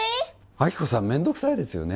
亜希子さん面倒くさいですよね